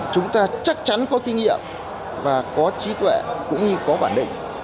chúng ta chắc chắn có kinh nghiệm và có trí tuệ cũng như có bản định